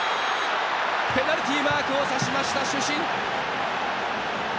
ペナルティーマークを指しました主審。